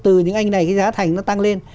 từ những anh này cái giá thành nó tăng lên